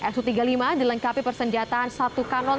su tiga puluh lima dilengkapi persenjataan satu kanon